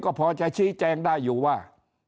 ก็พอจะชี้แจงได้อยู่ว่า